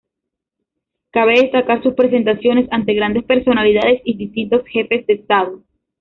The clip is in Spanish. Cabe destacar sus presentaciones ante grandes personalidades y distintos jefes de estado.